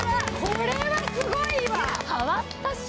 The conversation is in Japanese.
これはすごいわ！